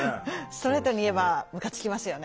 ストレートに言えばムカつきますよね。